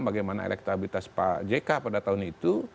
bagaimana elektabilitas pak jk pada tahun itu